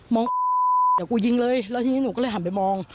เดี๋ยวกูยิงเลยแล้วทีนี้หนูก็เลยหันไปมอง